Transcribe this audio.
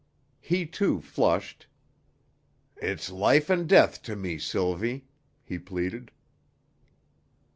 He too flushed. "It's life and death to me, Sylvie," he pleaded.